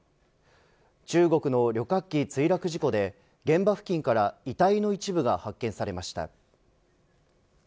中国の旅客機墜落事故で現場付近から遺体の一部が発見されました。